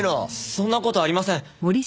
そんな事ありません。